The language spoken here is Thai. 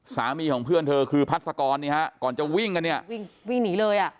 สามีของเพื่อนเธอคือพัศกรเนี่ยฮะก่อนจะวิ่งกันเนี่ยวิ่งวิ่งหนีเลยอ่ะ